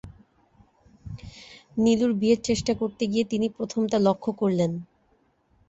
নীলুর বিয়ের চেষ্টা করতে গিয়ে তিনি প্রথম তা লক্ষ করলেন।